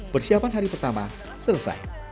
persiapan hari pertama selesai